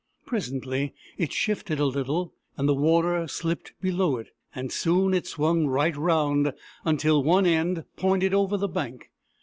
Presently it shifted a little, and the water slipped below it ; and soon it swung right round until one end pointed over the bank.